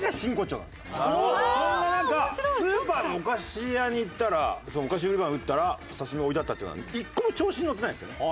そんな中「スーパーのお菓子屋に行ったらお菓子売り場に行ったら刺身が置いてあった」っていうのは１個も調子に乗ってないんですよ。